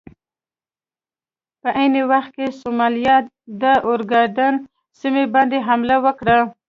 په عین وخت کې سومالیا د اوګادن سیمې باندې حمله وکړه.